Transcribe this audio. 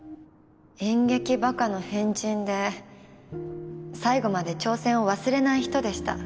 演劇バカの変人で最後まで挑戦を忘れない人でした